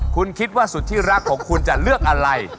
คุณคิดว่าสุดที่รักของคุณจะเลือกอะไร